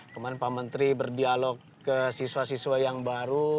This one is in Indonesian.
kemarin pak menteri berdialog ke siswa siswa yang baru